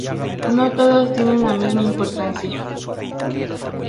No todas tienen la misma importancia.